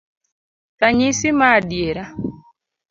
Ranyisi maadiera